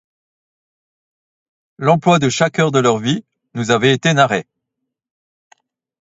L’emploi de chaque heure de leur vie nous avait été narrée.